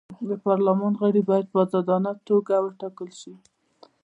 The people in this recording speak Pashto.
د پارلمان غړي باید په ازادانه توګه وټاکل شي.